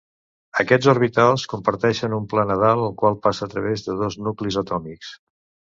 Aquests orbitals comparteixen un pla nodal el qual passa a través dels dos nuclis atòmics.